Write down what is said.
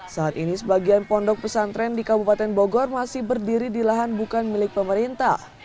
saat ini sebagian pondok pesantren di kabupaten bogor masih berdiri di lahan bukan milik pemerintah